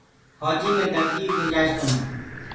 ڦوجي مي گلتيو ڪي گُنجآئيش ڪونآ۔